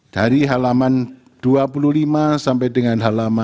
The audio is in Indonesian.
dari halaman dua puluh lima sampai dengan halaman